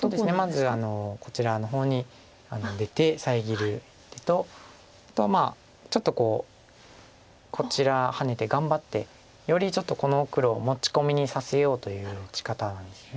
まずこららの方に出て遮る手とあとちょっとこちらハネて頑張ってよりちょっとこの黒を持ち込みにさせようという打ち方なんです。